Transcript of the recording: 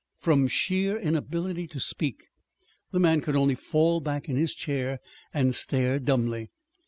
From sheer inability to speak, the man could only fall back in his chair and stare dumbly.